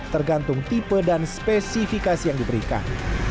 tergantung tipe dan spesifikasi yang diberikan